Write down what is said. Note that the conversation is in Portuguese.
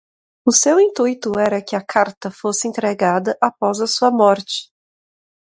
O seu intuito era que a carta fosse entregada após a sua morte.